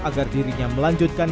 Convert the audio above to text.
agar dirinya melanjutkan